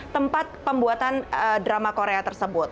tempat pembuatan drama korea tersebut